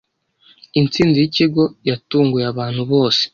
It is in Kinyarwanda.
Intsinzi yikigo yatunguye abantu bose.